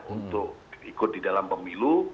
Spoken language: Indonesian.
untuk ikut di dalam pemilu